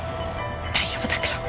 大丈夫だから。